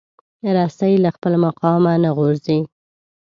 رسۍ له خپل مقامه نه غورځي.